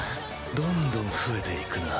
どんどん増えていくなぁ。